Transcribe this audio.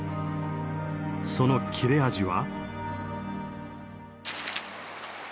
その切れ味は？